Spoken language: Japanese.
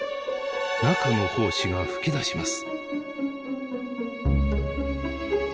中の胞子が噴き出します。